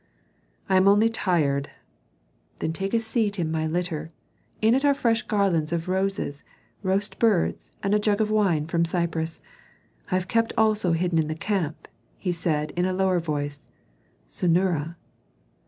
"I am only tired." "Then take a seat in my litter. In it are fresh garlands of roses, roast birds, and a jug of wine from Cyprus. I have kept also hidden in the camp," added he in a lower voice, "Senura."